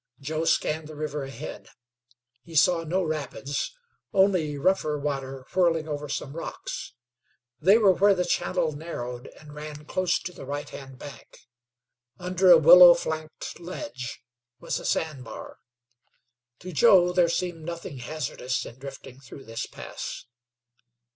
Joe scanned the river ahead. He saw no rapids; only rougher water whirling over some rocks. They were where the channel narrowed and ran close to the right hand bank. Under a willow flanked ledge was a sand bar. To Joe there seemed nothing hazardous in drifting through this pass.